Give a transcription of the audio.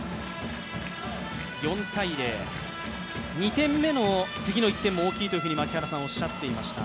２点目の次の１点も大きいと槙原さんはおっしゃっていました。